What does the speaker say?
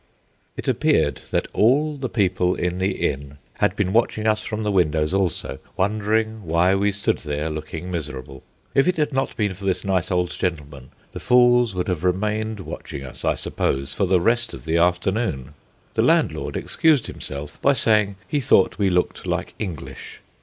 It appeared that all the people in the inn had been watching us from the windows also, wondering why we stood there looking miserable. If it had not been for this nice old gentleman the fools would have remained watching us, I suppose, for the rest of the afternoon. The landlord excused himself by saying he thought we looked like English.